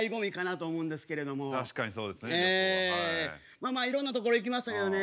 まあまあいろんな所行きましたけどね。